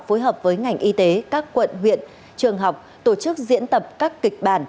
phối hợp với ngành y tế các quận huyện trường học tổ chức diễn tập các kịch bản